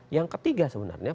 yang ketiga sebenarnya